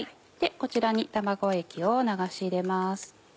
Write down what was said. こちらに卵液を流し入れます。